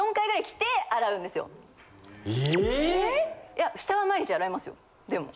・いや下は毎日洗いますよでも。